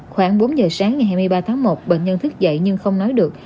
khoảng bốn giờ sáng ngày hai mươi ba tháng một bệnh nhân thức dậy nhưng không nói được